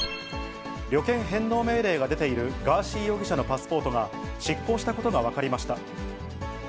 旅券返納命令が出ているガーシー容疑者のパスポートが、失効したことが分かりました。